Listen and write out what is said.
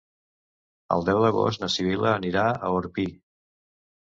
El deu d'agost na Sibil·la anirà a Orpí.